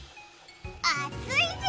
あついぜ。